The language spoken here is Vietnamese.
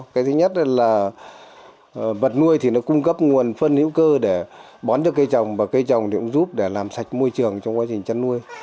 cái thứ nhất là vật nuôi thì nó cung cấp nguồn phân hữu cơ để bón cho cây trồng và cây trồng thì cũng giúp để làm sạch môi trường trong quá trình chăn nuôi